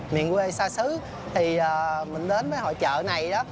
miền quê xa xứ thì mình đến với hội trợ này đó